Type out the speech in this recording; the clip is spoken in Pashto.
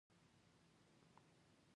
زه تل د مشرانو د پښو خاوره یم.